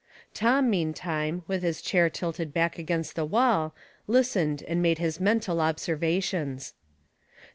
Tom, meantime, with his chair tilted back against the wall, listened and made his mental observations.